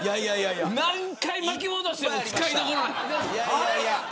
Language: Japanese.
何回まき戻しても使いどころない。